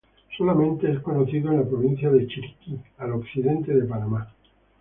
Solamente es conocido en la provincia de Chiriquí al occidente de Panamá.